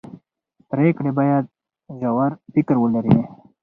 پرېکړې باید ژور فکر ولري